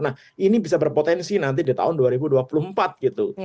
nah ini bisa berpotensi nanti di tahun dua ribu dua puluh empat gitu